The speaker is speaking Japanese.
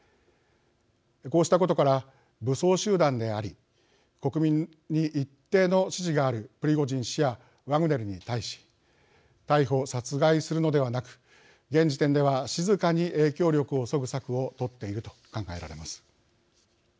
こうしたことから武装集団であり国民に一定の支持があるプリゴジン氏やワグネルに対し逮捕・殺害するのではなく現時点では静かに影響力をそぐ策を取っていると考えられます。